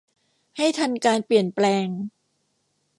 ให้ทันการเปลี่ยนแปลง